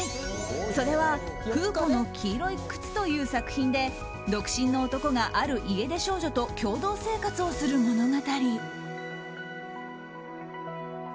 それは「フーコの黄色い靴」という作品で独身の男が、ある家出少女と共同生活をする物語。